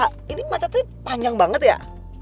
pak ini macetnya panjang banget ya